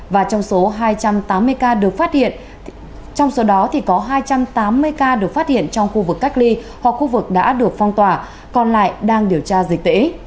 và trong số hai trăm tám mươi ca được phát hiện trong khu vực cách ly hoặc khu vực đã được phong tỏa còn lại đang điều tra dịch tễ